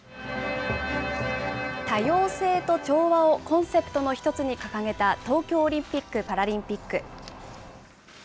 多様性と調和をコンセプトの一つに掲げた東京オリンピック・パラリンピック。